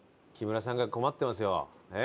木村さんが困ってますよ。